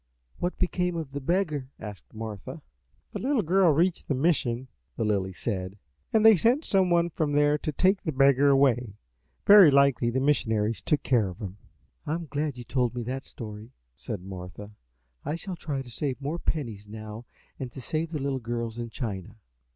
"What became of the beggar?" asked Martha. "The little girl reached the mission," the Lily said, "and they sent some one from there to take the beggar away. Very likely the missionaries took care of him." "I am glad you told me that story," said Martha. "I shall try to save more pennies now to send to the little girls in China."